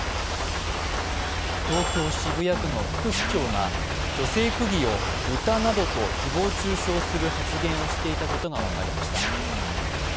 東京・渋谷区の副区長が女性区議をブタなどと誹謗中傷する発言をしていたことが分かりました。